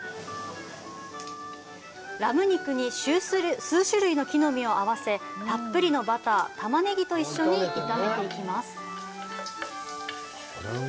ラム肉に数種類の木の実を合わせたっぷりのバタータマネギと一緒に炒めていきます。